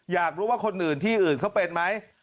อยากรู้ว่าคนอื่นที่อื่นเขาเป็นไหม